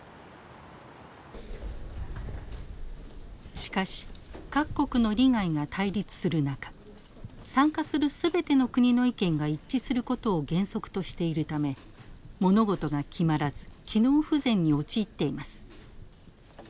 しかし各国の利害が対立する中参加する全ての国の意見が一致することを原則としているため物事が決まらず機能不全に陥っています。